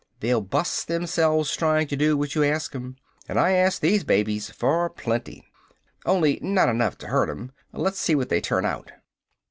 They'll bust themselves tryin' to do what you ask 'em. And I asked these babies for plenty only not enough to hurt 'em. Let's see what they turn out."